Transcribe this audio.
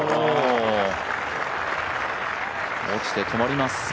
落ちて止まります。